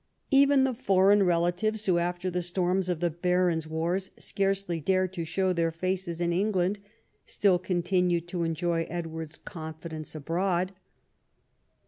Even the foreign 80 EDWARD I chap. relatives, who after the storms of the Barons' Wars scarcely dared to show their faces in England, still continued to enjoy Edward's confidence abroad.